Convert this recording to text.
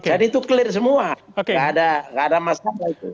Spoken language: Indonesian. jadi itu clear semua nggak ada masalah itu